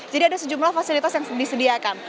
jadi ada sejumlah fasilitas yang disediakan